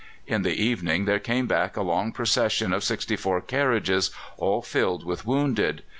In the evening there came back a long procession of sixty four carriages, all filled with wounded.